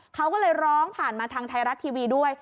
เขาก็เลยร้องผ่านมาทางไทยรัฐทีวีด้วย